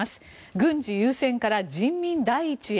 軍事優先から人民第一へ。